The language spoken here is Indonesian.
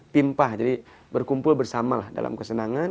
pimpah jadi berkumpul bersamalah dalam kesenangan